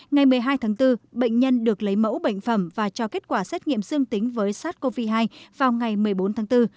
ngày một mươi hai tháng bốn bệnh nhân được lấy mẫu bệnh phẩm và cho kết quả xét nghiệm dương tính với sars cov hai vào ngày một mươi bốn tháng bốn